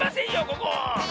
ここ！